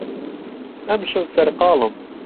ئەمشەو سەرقاڵم.